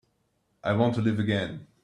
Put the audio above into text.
I want to live again.